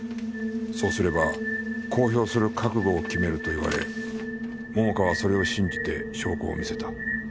「そうすれば公表する覚悟を決める」と言われ桃花はそれを信じて証拠を見せた。